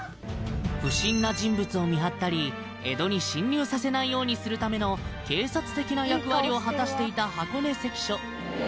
不審な人物を見張ったり江戸に侵入させないようにするための警察的な役割を果たしていた箱根関所